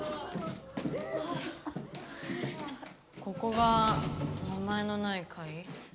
ここが名前のないかい？